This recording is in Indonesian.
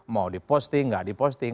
mau di posting gak di posting